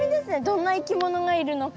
どんないきものがいるのか。